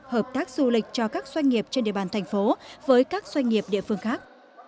hợp tác du lịch cho các doanh nghiệp trên địa bàn thành phố với các doanh nghiệp địa phương khác